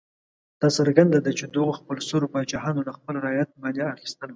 دا څرګنده ده چې دغو خپلسرو پاچاهانو له خپل رعیت مالیه اخیستله.